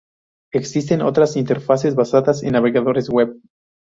Existen otras interfaces basadas en navegadores Web.